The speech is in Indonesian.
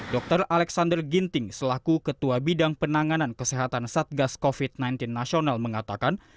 dr alexander ginting selaku ketua bidang penanganan kesehatan satgas covid sembilan belas nasional mengatakan